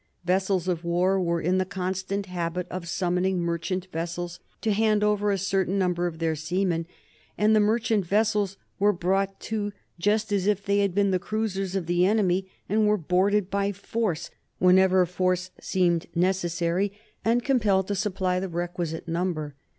Vessels of war were in the constant habit of summoning merchant vessels to hand over a certain number of their seamen, and the merchant vessels were brought to just as if they had been the cruisers of the enemy, and were boarded by force, whenever force seemed necessary, and compelled to supply the requisite number.